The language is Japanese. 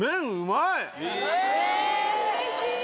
うれしい！